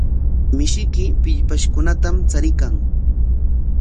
Mishiyki pillpashkunatam chariykan.